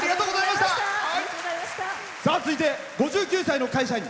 続いて５９歳の会社員。